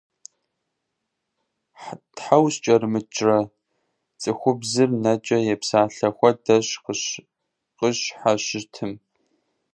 Тхьэ ускӏэрымыкӏрэ? – цӏыхубзыр нэкӏэ епсалъэ хуэдэщ къыщхьэщытым.